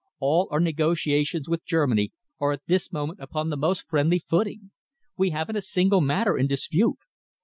All our negotiations with Germany are at this moment upon the most friendly footing. We haven't a single matter in dispute.